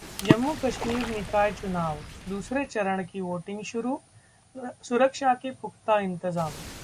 जम्मू- कश्मीर निकाय चुनाव: दूसरे चरण की वोटिंग शुरू, सुरक्षा के पुख्ता इंतजाम